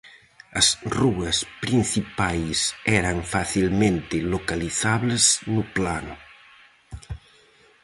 As rúas principais eran facilmente localizables no plano.